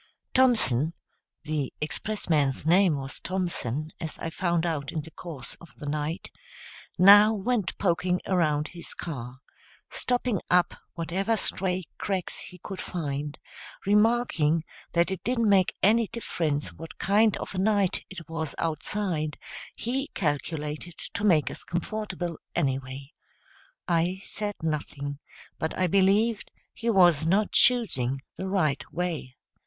Thompson the expressman's name was Thompson, as I found out in the course of the night now went poking around his car, stopping up whatever stray cracks he could find, remarking that it didn't make any difference what kind of a night it was outside, he calculated to make us comfortable, anyway. I said nothing, but I believed he was not choosing the right way.